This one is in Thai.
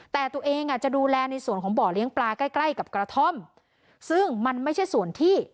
แต่ตัวเองอ่ะจะดูแลในส่วนของบ่อเลี้ยงปลาใกล้ใกล้กับกระท่อมซึ่งมันไม่ใช่ส่วนที่